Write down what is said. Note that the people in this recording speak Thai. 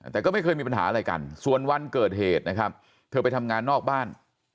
แต่ก็ไม่เคยมีปัญหาอะไรกันส่วนวันเกิดเหตุนะครับเธอไปทำงานนอกบ้าน